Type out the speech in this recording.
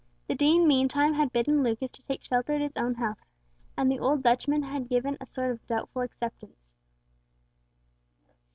The Dean meantime had bidden Lucas to take shelter at his own house, and the old Dutchman had given a sort of doubtful acceptance.